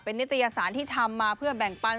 นิตยสารที่ทำมาเพื่อแบ่งปัน